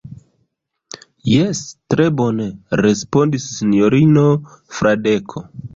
Jes, tre bone, respondis sinjorino Fradeko.